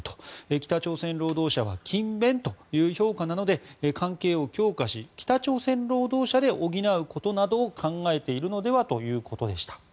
北朝鮮労働者は勤勉という評価なので関係を強化し北朝鮮労働者で補うことなどを考えているのではということでした。